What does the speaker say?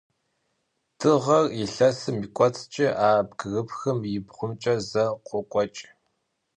Дыгъэр илъэсым и кӏуэцӏкӏэ, а бгырыпхым и бгъумкӏэ зэ къокӏуэкӏ.